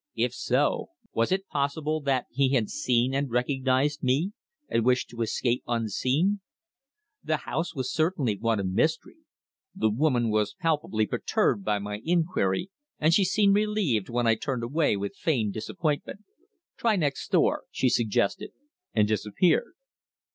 If so, was it possible that he had seen and recognized me, and wished to escape unseen? The house was certainly one of mystery. The woman was palpably perturbed by my inquiry, and she seemed relieved when I turned away with feigned disappointment. "Try next door," she suggested, and disappeared.